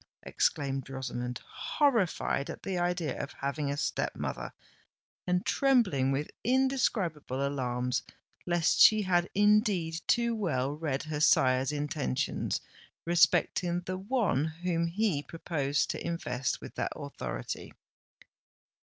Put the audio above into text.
exclaimed Rosamond, horrified at the idea of having a step mother, and trembling with indescribable alarms lest she had indeed too well read her sire's intentions respecting the one whom he proposed to invest with that authority.